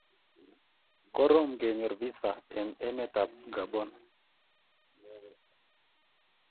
Korom kenyor visa eng emetab Gabon